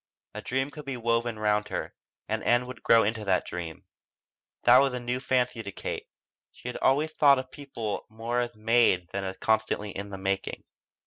A dream could be woven round her, and Ann could grow into that dream. That was a new fancy to Kate; she had always thought of people more as made than as constantly in the making.